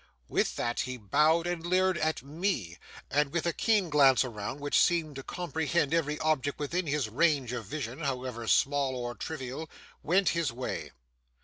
With that he bowed and leered at me, and with a keen glance around which seemed to comprehend every object within his range of vision, however, small or trivial, went his way.